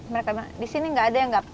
mereka bilang disini gak ada yang gak